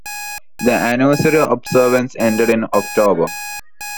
The anniversary observance ended in October.